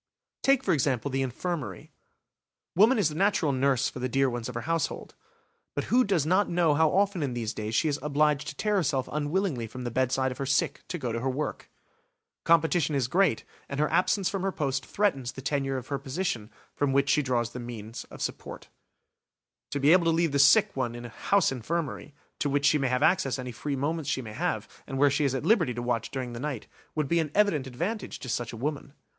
Take, for example, the infirmary; woman is the natural nurse for the dear ones of her household. But who does not know how often in these days she is obliged to tear herself unwillingly from the bedside of her sick to go to her work? Competition is great, and her absence from her post threatens the tenure of the position from which she draws the means of support. To be able to leave the sick one in a "house infirmary", to which she may have access any free moments she may have, and where she is at liberty to watch during the night, would be an evident advantage to such a woman.